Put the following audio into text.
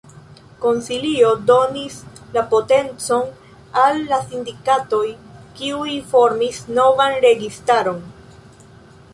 Konsilio donis la potencon al la sindikatoj, kiuj formis novan registaron.